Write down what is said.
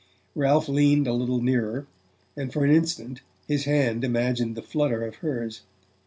Ralph leaned a little nearer, and for an instant his hand imagined the flutter of hers.